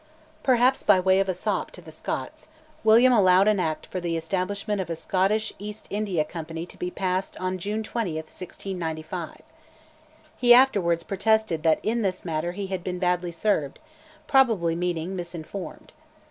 Perhaps by way of a sop to the Scots, William allowed an Act for the Establishment of a Scottish East India Company to be passed on June 20, 1695. He afterwards protested that in this matter he had been "badly served," probably meaning "misinformed."